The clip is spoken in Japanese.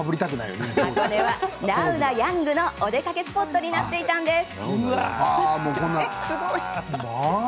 箱根は、ナウなヤングのお出かけスポットになっていたんです。